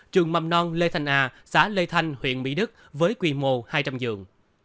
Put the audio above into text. trường mầm non lê thanh a xã lê thanh huyện mỹ đức với quy mô hai trăm linh giường